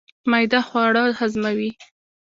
معده خواړه هضموي